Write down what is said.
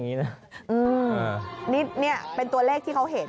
นี่เป็นตัวเลขที่เขาเห็น